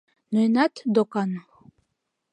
Ноенат, докан...